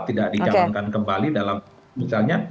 tidak dicalonkan kembali dalam misalnya